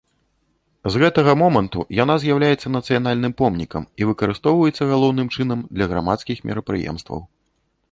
З гэтага моманту яна з'яўляецца нацыянальным помнікам і выкарыстоўваецца галоўным чынам для грамадскіх мерапрыемстваў.